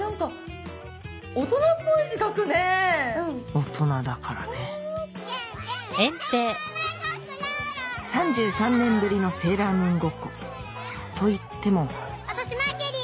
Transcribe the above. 大人だからね３３年ぶりのセーラームーンごっこといっても私マーキュリー！